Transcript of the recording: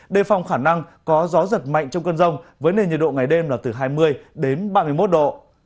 đề phòng khả năng có gió giật mạnh trong cơn rông với nền nhiệt độ ngày đêm là từ hai mươi đến ba mươi một độ